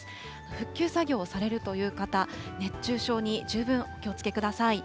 復旧作業をされるという方、熱中症に十分お気をつけください。